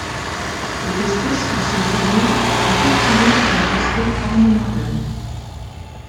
Cette espèce ou ses hybrides sont cultivés pour leur aspect ornemental.